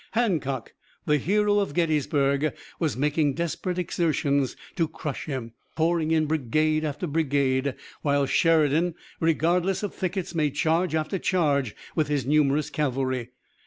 Hancock, the hero of Gettysburg, was making desperate exertions to crush him, pouring in brigade after brigade, while Sheridan, regardless of thickets, made charge after charge with his numerous cavalry.